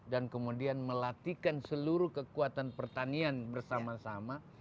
dan kemudian melatihkan seluruh kekuatan pertanian bersama sama